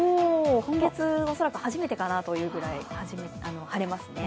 今月、恐らく初めてかなというくらい晴れますね。